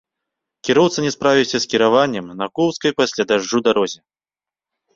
Кіроўца не справіўся з кіраваннем на коўзкай пасля дажджу дарозе.